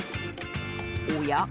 おや？